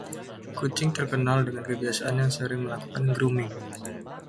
Kucing terkenal dengan kebiasaannya yang sering melakukan grooming.